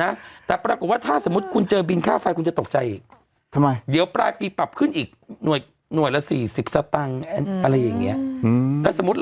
นั่นเขากลัวพี่เขาเกลียด